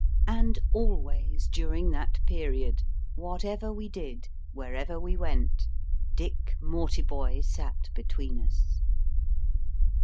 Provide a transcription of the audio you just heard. And always during that period, whatever we did, wherever we went, Dick Mortiboy sat between us.